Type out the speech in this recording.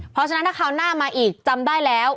เพราะฉะนั้นถ้าคราวหน้ามาอีกจำได้แล้ว